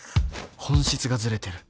本質がずれてる。